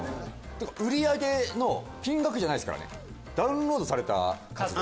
売り上げの金額じゃないですからダウンロードされた数ですから。